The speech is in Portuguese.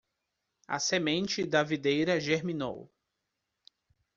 A semente da videira germinou